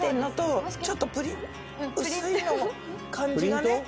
薄いの感じがね。